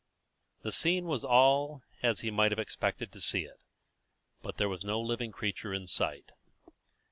The scene was all as he might have expected to see it; but there was no living creature in sight.